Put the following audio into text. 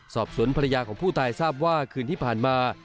ภรรยาของผู้ตายทราบว่าคืนที่ผ่านมา